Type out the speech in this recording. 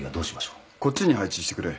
こっちに配置してくれ。